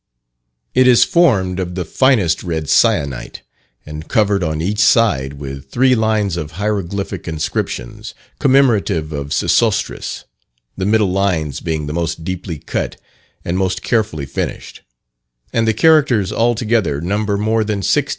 It is formed of the finest red syenite, and covered on each side with three lines of hieroglyphic inscriptions, commemorative of Sesostris the middle lines being the most deeply cut and most carefully finished; and the characters altogether number more than 1600.